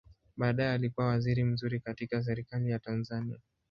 Baadaye alikua waziri mzuri katika Serikali ya Tanzania.